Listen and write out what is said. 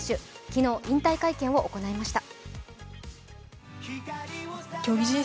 昨日、引退会見を行いました。